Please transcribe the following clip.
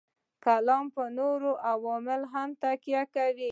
کلام پر نورو علومو هم تکیه کوي.